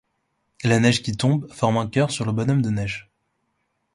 La neige qui tombe forme un cœur sur le bonhomme de neige.